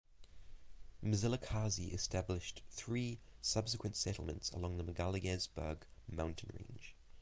Mzilikazi established three subsequent settlements along the Magaliesberg Mountain Range.